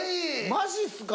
マジっすか？